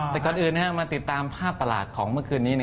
แต่ก่อนอื่นมาติดตามภาพประหลาดของเมื่อคืนนี้